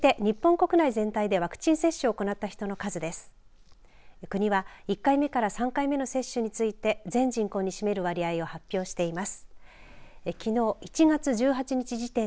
国は１回目から３回目の接種について全人口に占める割合を発表しています。